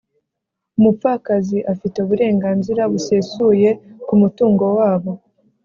umupfakazi afite uburenganzira busesuye ku mu tungo wabo;